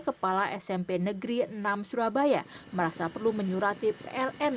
kepala smp negeri enam surabaya merasa perlu menyurati pln